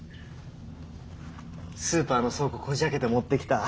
スーパーの倉庫こじあけて持ってきた。